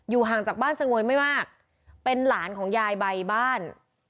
ห่างจากบ้านสงวยไม่มากเป็นหลานของยายใบบ้าน